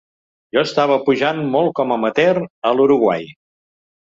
Jo estava pujant molt com amateur a l’Uruguai.